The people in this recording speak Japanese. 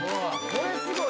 これすごい！